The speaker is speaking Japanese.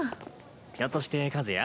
ひょっとして和也？